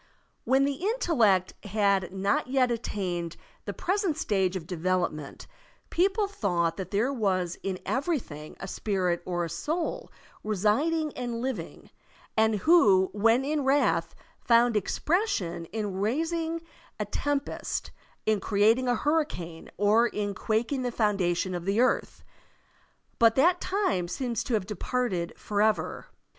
When the intellect had not yet attained the present stage of devel opment, people thought that there was in every thing a spirit or a soul residing and living, and who, when in wrath, fotind expression in raising a tempest, in creating a hurricane, or in quaking the foundation o! the earth* But that time seems to have departed forever.